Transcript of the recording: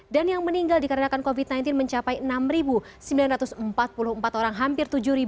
dan yang meninggal dikarenakan covid sembilan belas mencapai enam sembilan ratus empat puluh empat orang hampir tujuh